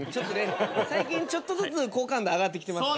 最近ちょっとずつ好感度上がってきてますから。